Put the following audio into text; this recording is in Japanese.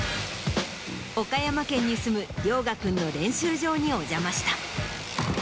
岡山県に住む怜雅君の練習場にお邪魔した。